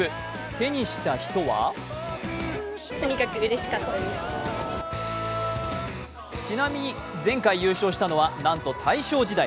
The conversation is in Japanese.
手にした人はちなみに前回優勝したのはなんと大正時代。